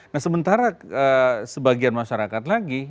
nah sementara sebagian masyarakat lagi